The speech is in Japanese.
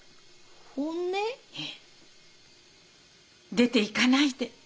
「出ていかないで！